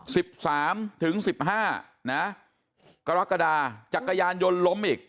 สิบสามถึงสิบห้านะกรกฎาจักรยานยนต์ล้มอีก